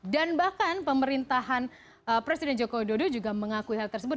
dan bahkan pemerintahan presiden joko widodo juga mengakui hal tersebut